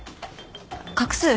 画数。